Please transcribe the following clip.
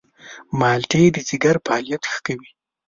مالټې د ځيګر فعالیت ښه کوي.